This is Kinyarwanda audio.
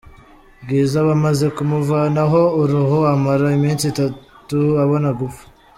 bwiza, bamaze kumuvanaho uruhu amara iminsi itatu abona gupfa.